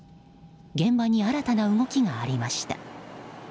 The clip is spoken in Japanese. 現場に新たな動きがありました。